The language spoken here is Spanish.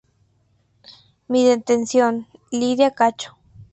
Mi detención, Lydia Cacho.